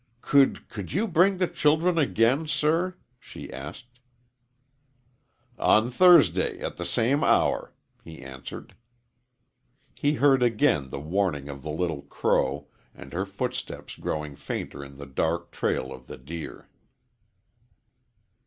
"Could could you bring the children again, sir?" she asked. "On Thursday, at the same hour," he answered. He heard again the warning of the little crow and her footsteps growing fainter in the dark trail of the deer.